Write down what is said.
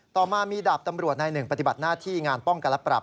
ต่อมามีดาบตำรวจนายหนึ่งปฏิบัติหน้าที่งานป้องกันและปรับ